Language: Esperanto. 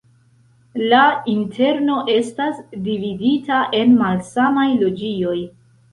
La interno estas dividita en malsamaj loĝioj.